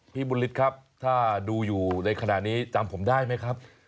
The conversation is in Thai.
พี่บุญฤทธิ์ครับถ้าดูอยู่ในขณะนี้จำผมได้ไหมครับ